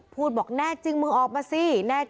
พุ่งเข้ามาแล้วกับแม่แค่สองคน